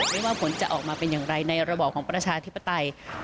ไม่ว่าผลจะออกมาเป็นอย่างไรในระบอบของประชาธิปไตย